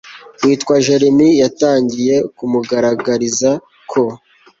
witwa jeremy yatangiye kumugaragariza ko